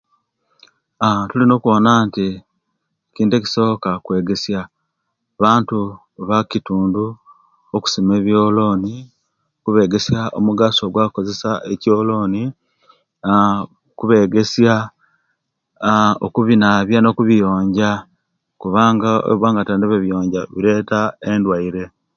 Tulina okuwona nti ekintu ekisoka kwegesiya bantu bakitundu okusoma ebyoloni, kubegesya omugaso gwa kozesiya ekyoloni aaah kubegesya okubinabya no kubiyonja kubanga eibaba Nandi babiyonja bireta endwaire